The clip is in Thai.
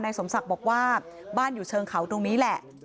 สมศักดิ์บอกว่าบ้านอยู่เชิงเขาตรงนี้แหละ